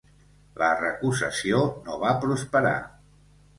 La recusació no va prosperar.